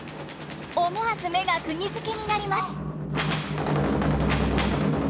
思わず目がくぎづけになります。